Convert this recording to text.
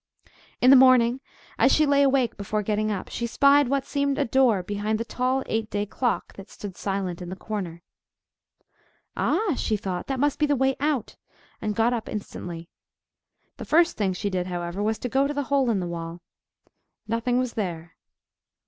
In the morning as she lay awake before getting up, she spied what seemed a door behind the tall eight day clock that stood silent in the corner. "Ah!" she thought, "that must be the way out!" and got up instantly. The first thing she did, however, was to go to the hole in the wall. Nothing was there.